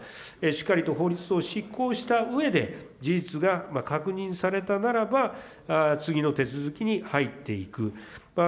しっかりと法律を執行したうえで、事実が確認されたならば、次の手続きに入っていく。